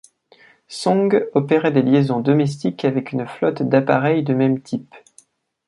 Song opérait des liaisons domestiques avec un flotte d'appareils de même type.